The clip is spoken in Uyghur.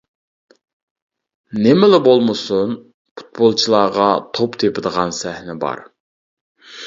نېمىلا بولمىسۇن، پۇتبولچىلارغا توپ تېپىدىغان سەھنە بار.